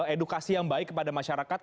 edukasi yang baik kepada masyarakat